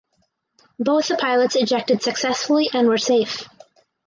Both the pilots ejected successfully and were safe.